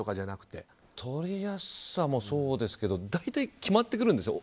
取りやすさもそうですけど大体、決まってくるんですよ。